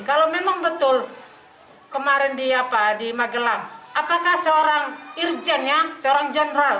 kalau memang betul kemarin di magelang apakah seorang irjen ya seorang general